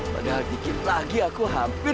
padahal dikit lagi aku hampir